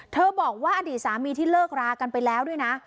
บอกว่าอดีตสามีที่เลิกรากันไปแล้วด้วยนะ